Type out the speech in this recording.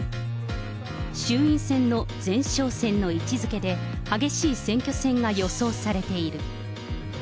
衆院選の前哨戦の位置づけで、激しい選挙戦が予想されている。